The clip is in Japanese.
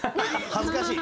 恥ずかしい？